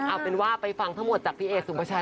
เอาเป็นว่าไปฟังทั้งหมดจากพี่เอกสุภาชัย